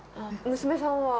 娘さんは？